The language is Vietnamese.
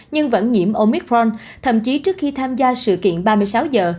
nhưng vẫn nhiễm omicron thậm chí trước khi tham gia sự kiện ba mươi sáu giờ